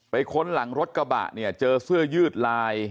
ค้นหลังรถกระบะเนี่ยเจอเสื้อยืดลาย